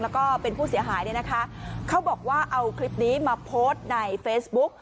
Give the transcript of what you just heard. แล้วก็เป็นผู้เสียหายเนี่ยนะคะเขาบอกว่าเอาคลิปนี้มาโพสต์ในเฟซบุ๊ก